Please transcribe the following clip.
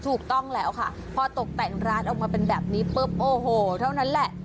ถูกต้องแล้วค่ะพอตกแต่งร้านออกมาเป็นแบบนี้ปุ๊บโอ้โหเท่านั้นแหละ